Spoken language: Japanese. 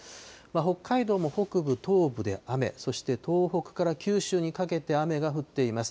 北海道も北部、東部で雨、そして東北から九州にかけて雨が降っています。